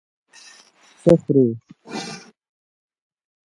څه خوړې؟